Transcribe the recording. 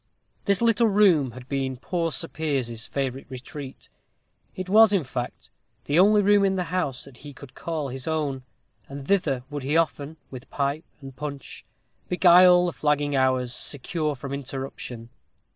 This little room had been poor Sir Piers's favorite retreat. It was, in fact, the only room in the house that he could call his own; and thither would he often, with pipe and punch, beguile the flagging hours, secure from interruption.